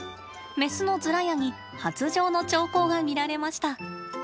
メスのズラヤに発情の兆候が見られました。